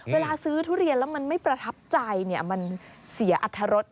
เวลาซื้อทุเรียนแล้วมันไม่ประทับใจมันเสียอัตรรส